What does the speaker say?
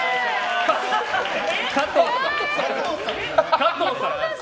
加藤さん。